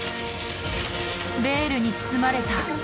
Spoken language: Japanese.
ベールに包まれた！